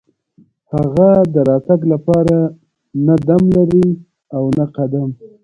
هغه د راتګ لپاره نه دم لري او نه قدم.